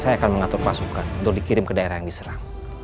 saya akan mengatur pasukan untuk dikirim ke daerah yang diserang